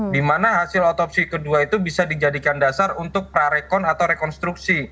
dimana hasil otopsi kedua itu bisa dijadikan dasar untuk prarekon atau rekonstruksi